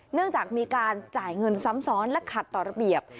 เนื่องจากมีการจ่ายเงินซ้ำซ้อนและขัดต่อระเบียบ